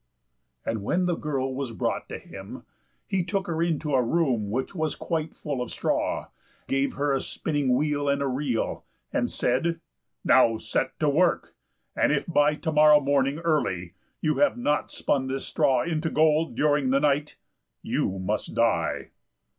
And when the girl was brought to him he took her into a room which was quite full of straw, gave her a spinning wheel and a reel, and said, "Now set to work, and if by to morrow morning early you have not spun this straw into gold during the night, you must die."